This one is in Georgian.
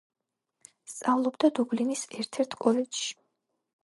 სწავლობდა დუბლინის ერთ-ერთ კოლეჯში.